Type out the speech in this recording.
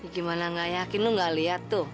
gimana gak yakin lo gak liat tuh